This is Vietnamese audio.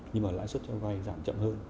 nhưng mà lãi suất cho vay giảm chậm hơn